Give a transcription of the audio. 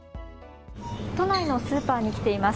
都内のスーパーに来ています。